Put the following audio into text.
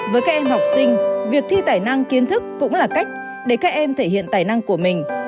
với các em học sinh việc thi tài năng kiến thức cũng là cách để các em thể hiện tài năng của mình